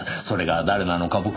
それが誰なのか